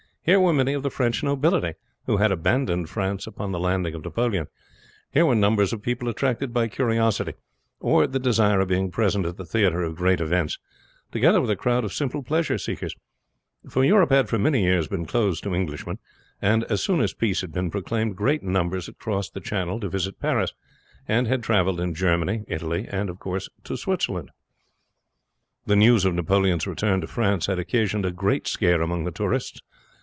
Here were many of the French nobility, who had abandoned France upon the landing of Napoleon. Here were numbers of people attracted by curiosity, or the desire of being present at the theater of great events, together with a crowd of simple pleasure seekers; for Europe had for many years been closed to Englishmen, and as soon as peace had been proclaimed great numbers had crossed the Channel to visit Paris, and had traveled in Germany, Italy, and Switzerland. The news of Napoleon's return to France had occasioned a great scare among the tourists.